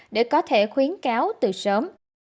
để có thể khuyến cáo từ sớm